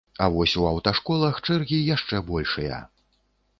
А вось у аўташколах чэргі яшчэ большыя.